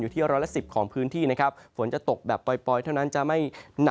อยู่ที่๑๑๐ของพื้นที่